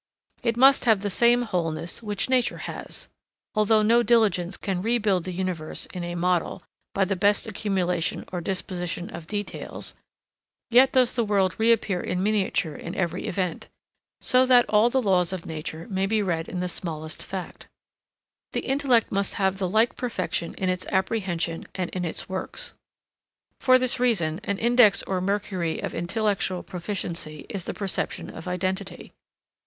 It must have the same wholeness which nature has. Although no diligence can rebuild the universe in a model by the best accumulation or disposition of details, yet does the world reappear in miniature in every event, so that all the laws of nature may be read in the smallest fact. The intellect must have the like perfection in its apprehension and in its works. For this reason, an index or mercury of intellectual proficiency is the perception of identity.